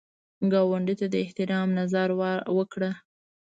ګاونډي ته د احترام نظر وکړه